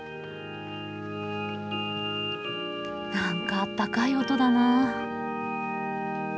なんかあったかい音だなあ。